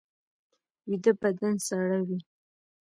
ویده بدن ساړه وي